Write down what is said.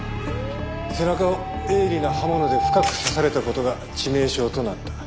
背中を鋭利な刃物で深く刺された事が致命傷となった。